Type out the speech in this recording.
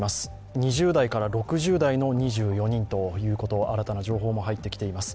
２０代から６０代の２４人という新たな情報も入ってきています。